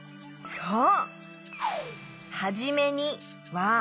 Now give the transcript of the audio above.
そう！